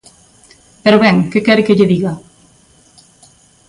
Pero ben, ¿que quere que lle diga?